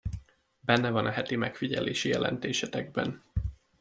Benne van a heti megfigyelési jelentésetekben.